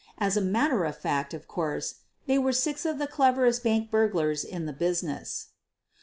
As a matter of fact, of course, ♦they were six of the cleverest bank burglars in the business.